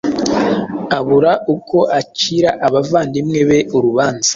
abura uko acira abavandimwe be urubanza